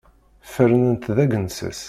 Fernen-t d agensas.